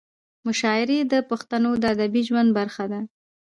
مشاعرې د پښتنو د ادبي ژوند برخه ده.